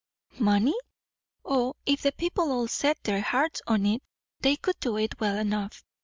"Money? O, if the people all set their hearts on it, they could do it well enough.